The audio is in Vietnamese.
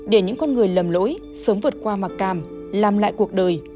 để những con người lầm lỗi sớm vượt qua mặc cảm làm lại cuộc đời